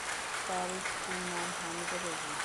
তার স্ত্রীর নাম হামিদা বেগম।